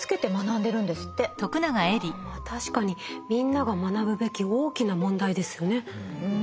まあ確かにみんなが学ぶべき大きな問題ですよね。